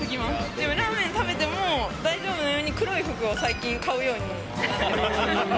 でも、ラーメン食べても大丈夫なように、黒い服を最近買うようにして。